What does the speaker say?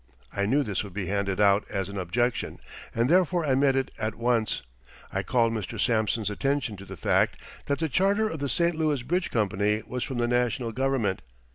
I knew this would be handed out as an objection, and therefore I met it at once. I called Mr. Sampson's attention to the fact that the charter of the St. Louis Bridge Company was from the National Government.